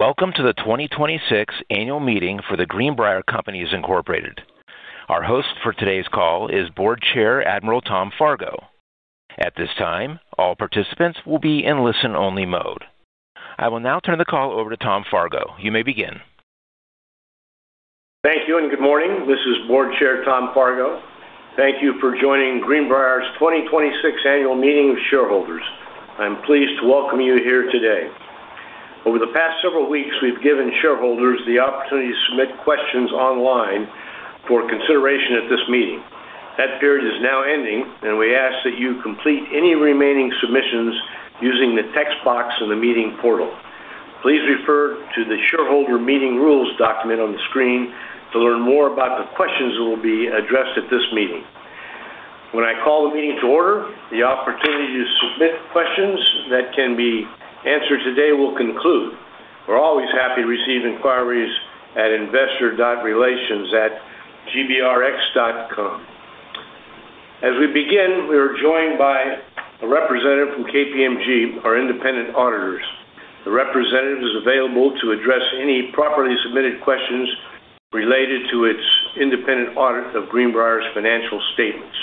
Welcome to the 2026 annual meeting for The Greenbrier Companies, Inc. Our host for today's call is Board Chair Admiral Tom Fargo. At this time, all participants will be in listen-only mode. I will now turn the call over to Tom Fargo. You may begin. Thank you and good morning. This is Board Chair Tom Fargo. Thank you for joining Greenbrier's 2026 annual meeting of shareholders. I'm pleased to welcome you here today. Over the past several weeks, we've given shareholders the opportunity to submit questions online for consideration at this meeting. That period is now ending, and we ask that you complete any remaining submissions using the text box in the meeting portal. Please refer to the shareholder meeting rules document on the screen to learn more about the questions that will be addressed at this meeting. When I call the meeting to order, the opportunity to submit questions that can be answered today will conclude. We're always happy to receive inquiries at investor.relations@gbrx.com. As we begin, we are joined by a representative from KPMG, our independent auditors. The representative is available to address any properly submitted questions related to its independent audit of Greenbrier's financial statements.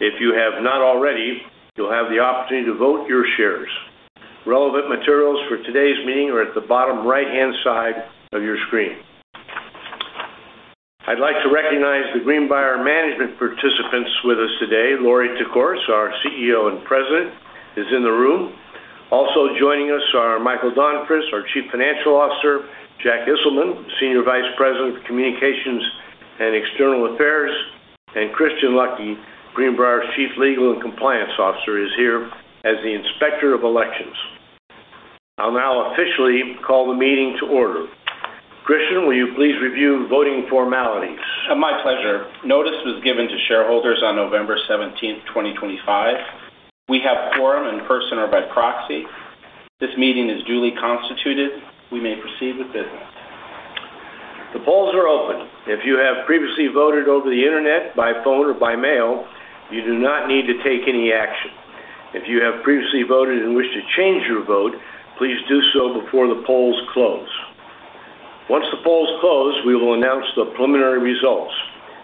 If you have not already, you'll have the opportunity to vote your shares. Relevant materials for today's meeting are at the bottom right-hand side of your screen. I'd like to recognize the Greenbrier management participants with us today. Lorie Tekorius, our CEO and President, is in the room. Also joining us are Michael Donfris, our Chief Financial Officer, Jack Isselman, Senior Vice President for Communications and External Affairs, and Christian Luckey, Greenbrier's Chief Legal and Compliance Officer, is here as the Inspector of Elections. I'll now officially call the meeting to order. Christian, will you please review voting formalities? My pleasure. Notice was given to shareholders on November 17th, 2025. We have quorum in person or by proxy. This meeting is duly constituted. We may proceed with business. The polls are open. If you have previously voted over the internet, by phone, or by mail, you do not need to take any action. If you have previously voted and wish to change your vote, please do so before the polls close. Once the polls close, we will announce the preliminary results.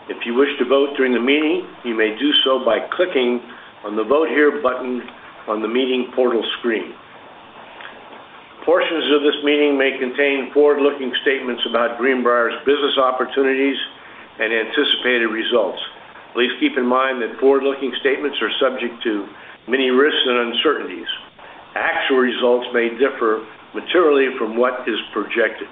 If you wish to vote during the meeting, you may do so by clicking on the Vote Here button on the meeting portal screen. Portions of this meeting may contain forward-looking statements about Greenbrier's business opportunities and anticipated results. Please keep in mind that forward-looking statements are subject to many risks and uncertainties. Actual results may differ materially from what is projected.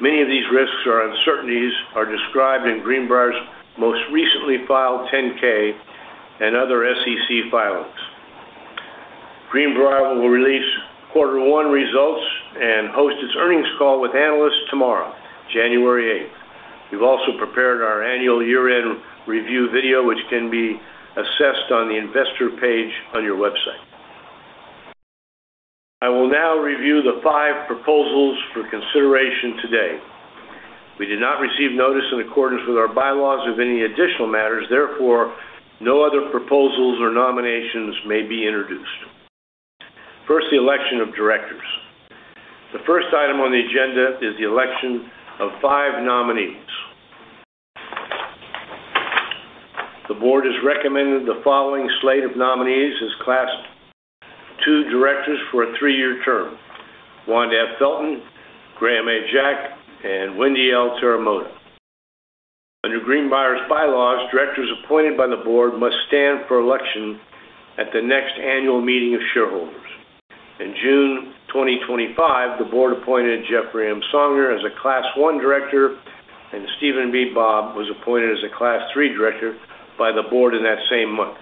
Many of these risks or uncertainties are described in Greenbrier's most recently filed 10-K and other SEC filings. Greenbrier will release quarter one results and host its earnings call with analysts tomorrow, January 8th. We've also prepared our annual year-end review video, which can be accessed on the investor page on our website. I will now review the five proposals for consideration today. We did not receive notice in accordance with our bylaws of any additional matters. Therefore, no other proposals or nominations may be introduced. First, the election of directors. The first item on the agenda is the election of five nominees. The board has recommended the following slate of nominees as Class II directors for a three-year term: Wanda F. Felton, Graeme A. Jack, and Wendy L. Teramoto. Under Greenbrier's bylaws, directors appointed by the board must stand for election at the next annual meeting of shareholders. In June 2025, the board appointed Jeffrey M. Songer as a Class I director, and Stephen B. Dobbs was appointed as a Class III director by the board in that same month.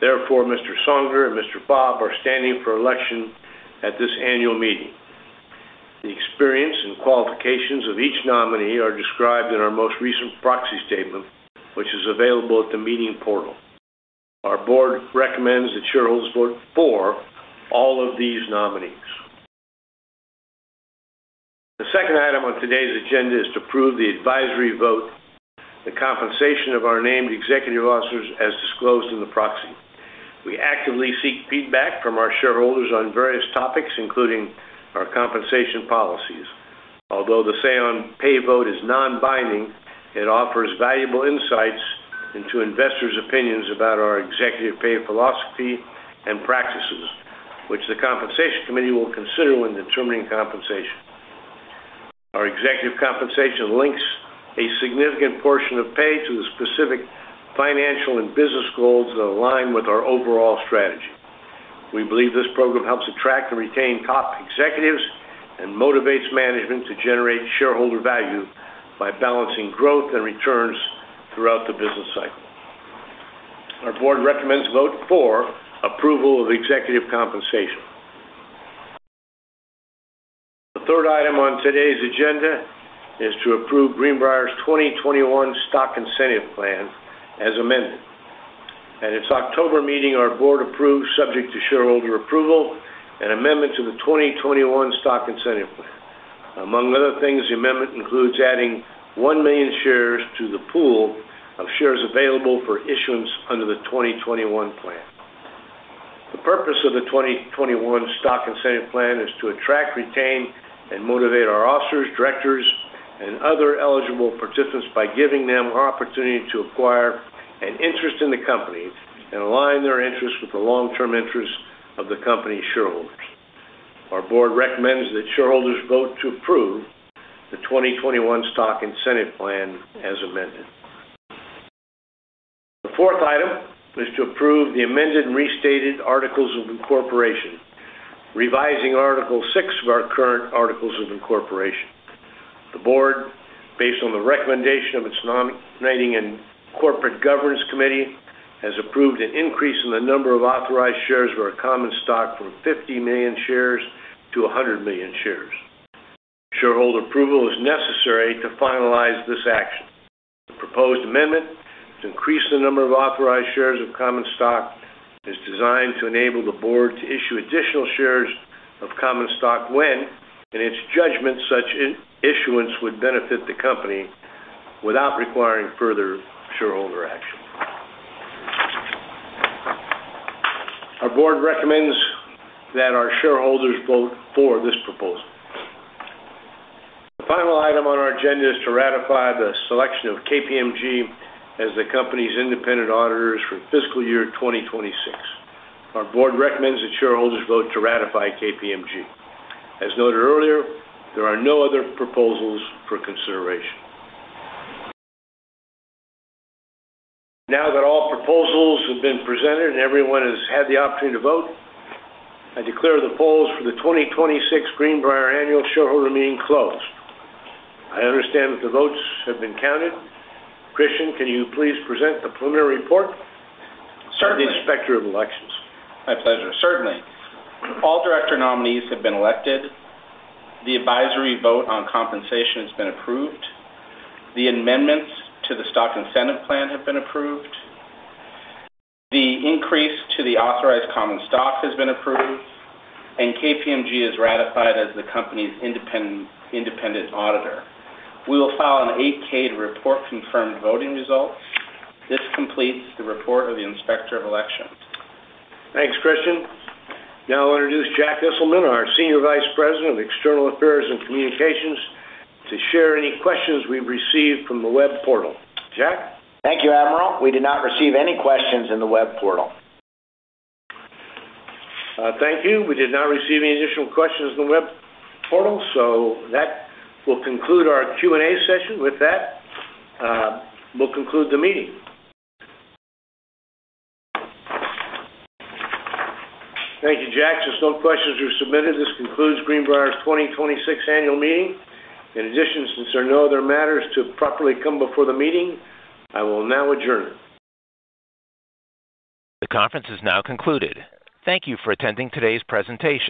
Therefore, Mr. Songer and Mr. Dobbs are standing for election at this annual meeting. The experience and qualifications of each nominee are described in our most recent proxy statement, which is available at the meeting portal. Our board recommends that shareholders vote for all of these nominees. The second item on today's agenda is to approve the advisory vote, the compensation of our named executive officers as disclosed in the proxy. We actively seek feedback from our shareholders on various topics, including our compensation policies. Although the Say-on-Pay vote is non-binding, it offers valuable insights into investors' opinions about our executive pay philosophy and practices, which the compensation committee will consider when determining compensation. Our executive compensation links a significant portion of pay to the specific financial and business goals that align with our overall strategy. We believe this program helps attract and retain top executives and motivates management to generate shareholder value by balancing growth and returns throughout the business cycle. Our board recommends vote for approval of executive compensation. The third item on today's agenda is to approve Greenbrier's 2021 Stock Incentive Plan as amended. At its October meeting, our board approved, subject to shareholder approval, an amendment to the 2021 Stock Incentive Plan. Among other things, the amendment includes adding one million shares to the pool of shares available for issuance under the 2021 Stock Incentive Plan. The purpose of the 2021 Stock Incentive Plan is to attract, retain, and motivate our officers, directors, and other eligible participants by giving them an opportunity to acquire an interest in the company and align their interests with the long-term interests of the company's shareholders. Our board recommends that shareholders vote to approve the 2021 Stock Incentive Plan as amended. The fourth item is to approve the amended and restated Articles of Incorporation, revising Article 6 of our current Articles of Incorporation. The board, based on the recommendation of its nominating and corporate governance committee, has approved an increase in the number of authorized shares of common stock from 50 million shares to 100 million shares. Shareholder approval is necessary to finalize this action. The proposed amendment to increase the number of authorized shares of Common Stock is designed to enable the board to issue additional shares of Common Stock when in its judgment such issuance would benefit the company without requiring further shareholder action. Our board recommends that our shareholders vote for this proposal. The final item on our agenda is to ratify the selection of KPMG as the company's independent auditors for fiscal year 2026. Our Board recommends that shareholders vote to ratify KPMG. As noted earlier, there are no other proposals for consideration. Now that all proposals have been presented and everyone has had the opportunity to vote, I declare the polls for the 2026 Greenbrier annual shareholder meeting closed. I understand that the votes have been counted. Christian, can you please present the preliminary report? Certainly. To the Inspector of Elections? My pleasure. Certainly. All director nominees have been elected. The advisory vote on compensation has been approved. The amendments to the stock incentive plan have been approved. The increase to the authorized common stock has been approved, and KPMG is ratified as the company's independent auditor. We will file an 8-K to report confirmed voting results. This completes the report of the Inspector of Elections. Thanks, Christian. Now I'll introduce Jack Isselman, our Senior Vice President of External Affairs and Communications, to share any questions we've received from the web portal. Jack? Thank you, Admiral. We did not receive any questions in the web portal. Thank you. We did not receive any additional questions in the web portal, so that will conclude our Q&A session. With that, we'll conclude the meeting. Thank you, Jack. Since no questions were submitted, this concludes Greenbrier's 2026 annual meeting. In addition, since there are no other matters to properly come before the meeting, I will now adjourn. The conference is now concluded. Thank you for attending today's presentation.